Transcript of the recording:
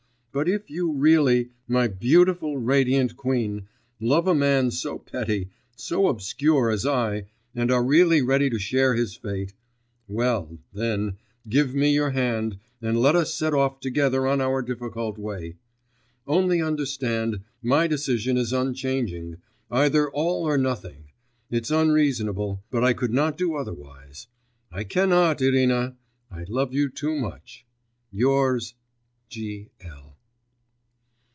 But if you really, my beautiful, radiant queen, love a man so petty, so obscure as I, and are really ready to share his fate, well, then, give me your hand, and let us set off together on our difficult way! Only understand, my decision is unchanging; either all or nothing. It's unreasonable ... but I could not do otherwise I cannot, Irina! I love you too much. Yours, G. L.